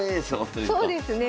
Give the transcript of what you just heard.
そうですね。